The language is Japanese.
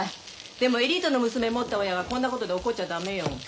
でもエリートの娘持った親はこんなことで怒っちゃ駄目よ。